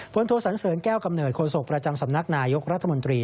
โทสันเสริญแก้วกำเนิดโศกประจำสำนักนายกรัฐมนตรี